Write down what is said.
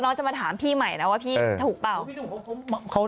จะมาถามพี่ใหม่นะว่าพี่ถูกเปล่า